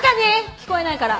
聞こえないから。